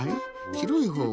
しろいほう。